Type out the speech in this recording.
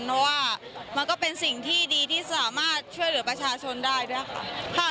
เพราะว่ามันก็เป็นสิ่งที่ดีที่สามารถช่วยเหลือประชาชนได้ด้วยค่ะ